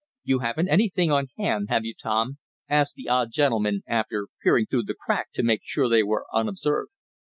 "You haven't anything on hand; have you, Tom?" asked the odd gentleman, after peering through the crack to make sure they were unobserved.